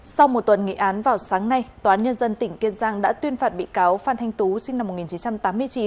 sau một tuần nghị án vào sáng nay tòa án nhân dân tỉnh kiên giang đã tuyên phạt bị cáo phan thanh tú sinh năm một nghìn chín trăm tám mươi chín